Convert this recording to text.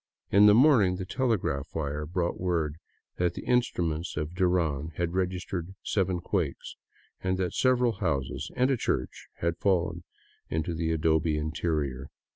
In the morning the telegraph wire brought word that the in struments of Duran had registered seven quakes, and that several houses and a church had fallen in the adobe interior.